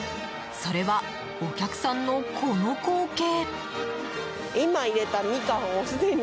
それはお客さんのこの光景。